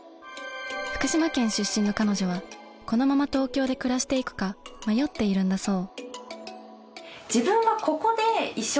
福島県出身の彼女はこのまま東京で暮らしていくか迷っているんだそう。